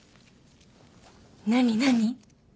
何何？